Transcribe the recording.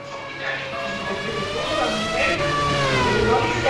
El libro impresionó a Theodore Roosevelt, y promovió importantes reformas sociales.